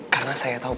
karena saya tau pak